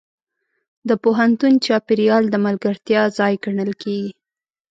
د پوهنتون چاپېریال د ملګرتیا ځای ګڼل کېږي.